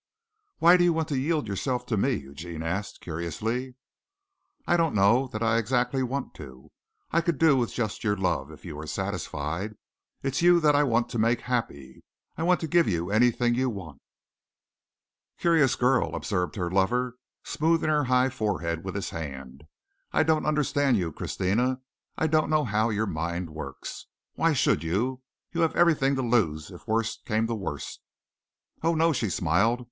"Why do you want to yield yourself to me?" Eugene asked curiously. "I don't know that I exactly want to. I could do with just your love if you were satisfied. It's you that I want to make happy. I want to give you anything you want." "Curious girl," observed her lover, smoothing her high forehead with his hand. "I don't understand you, Christina. I don't know how your mind works. Why should you? You have everything to lose if worst came to worst." "Oh, no," she smiled.